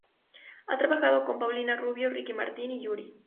Ha trabajado con Paulina Rubio, Ricky Martin y Yuri.